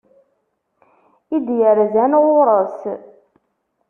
I d-yerzan ɣur-s.